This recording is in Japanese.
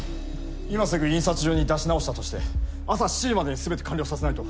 今すぐ印刷所に出し直したとして朝７時までに全て完了させないと。